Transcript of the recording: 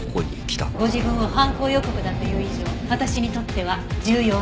ご自分を犯行予告だと言う以上私にとっては重要な証拠です。